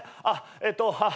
あっえっと